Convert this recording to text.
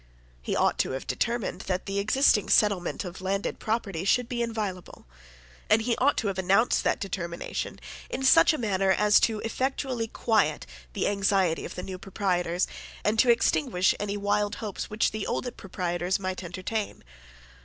He ought to have determined that the existing settlement of landed property should be inviolable; and he ought to have announced that determination in such a manner as effectually to quiet the anxiety of the new proprietors, and to extinguish any wild hopes which the old proprietors might entertain.